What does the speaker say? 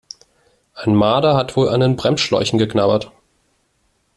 Ein Marder hat wohl an den Bremsschläuchen geknabbert.